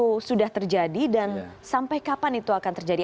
itu sudah terjadi dan sampai kapan itu akan terjadi